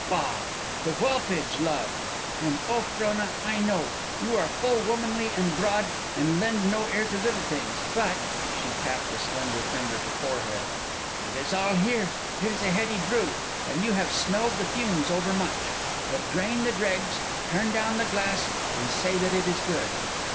Bah! The whelpage love! And, oh, Frona, I know; you are full womanly and broad, and lend no ear to little things, but" she tapped a slender finger to forehead "it is all here. It is a heady brew, and you have smelled the fumes overmuch. But drain the dregs, turn down the glass, and say that it is good.